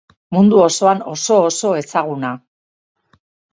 Mundu osoan oso-oso ezaguna.